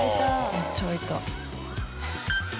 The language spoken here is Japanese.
めっちゃあいた。